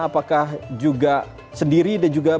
apakah juga sendiri dan juga